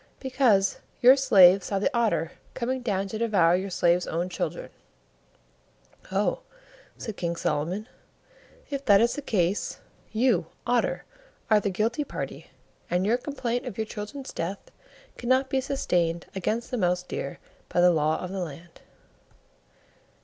"Because your slave saw the Otter coming down to devour your slave's own children." "Oh," said King Solomon, "if that is the case, you, Otter are the guilty party, and your complaint of your children's death cannot be sustained against the Mouse deer by the Law of the Land."